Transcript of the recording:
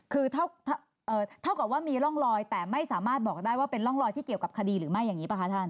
คือเท่ากับว่ามีร่องรอยแต่ไม่สามารถบอกได้ว่าเป็นร่องรอยที่เกี่ยวกับคดีหรือไม่อย่างนี้ป่ะคะท่าน